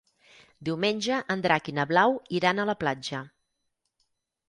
Diumenge en Drac i na Blau iran a la platja.